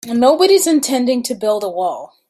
Nobody's intending to build a wall.